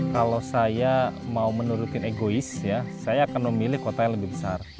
kalau saya mau menurutin egois ya saya akan memilih kota yang lebih besar